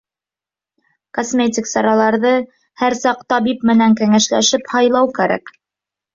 Косметик сараларҙы һәр саҡ табип менән кәңәшләшеп һайлау кәрәк!